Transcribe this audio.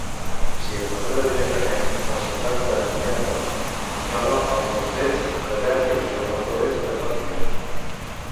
Si es mesura directament, la ciutat de Heanor es troba al nord-est de Derby i al nord-oest de Nottingham.